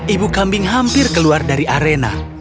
ibu kambing hampir keluar dari arena